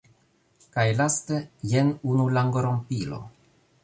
Kaj laste, jen unu langorompilo: